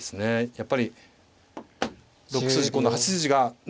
やっぱり６筋今度８筋がね